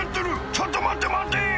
「ちょっと待って待って！」